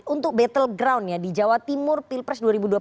untuk battleground ya di jawa timur pilpres